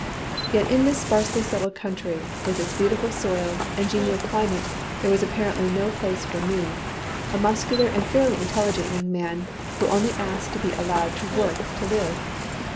Yet in this sparsely settled country, with its bountiful soil and genial climate, there was apparently no place for me, a muscular and fairly intelligent young man, who only asked to be allowed to work to live!